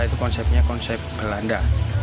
itu konsepnya konsep belanda